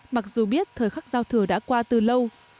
mặc dù biết thời khắc giao thừa đã qua từ lâu